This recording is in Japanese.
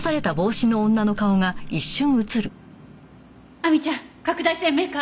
亜美ちゃん拡大鮮明化！